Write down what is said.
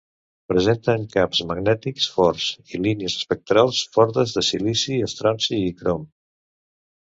Presenten camps magnètics forts, i línies espectrals fortes de silici, estronci, i crom.